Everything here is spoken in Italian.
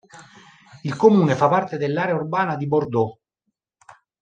Il comune fa parte dell'area urbana di Bordeaux.